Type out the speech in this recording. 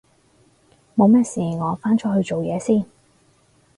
冇咩事我返出去做嘢先